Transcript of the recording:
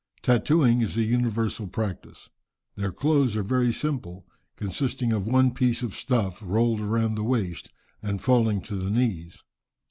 Tattooing is a universal practice. Their clothes are very simple, consisting of one piece of stuff, rolled round the waist, and falling to the knees.